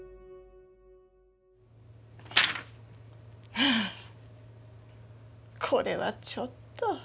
はこれはちょっと。